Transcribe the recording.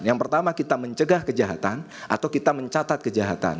yang pertama kita mencegah kejahatan atau kita mencatat kejahatan